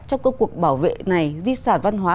trong cuộc bảo vệ này di sản văn hóa